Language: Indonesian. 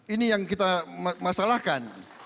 ini yang kita masalahkan